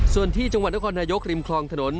ส่วนที่จังหวัดนครนายกริมคลองถนน